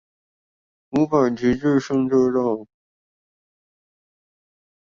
五百題致勝之道